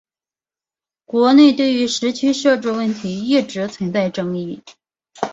国内对于时区设置问题一直存在争议。